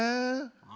あ？